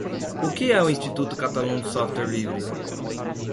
O que é o Instituto Catalão de Software Livre?